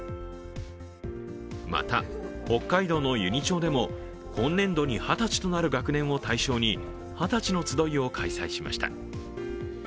また、北海道の由仁町でも本年度に二十歳となる学年を対象に二十歳のつどいを開催しました。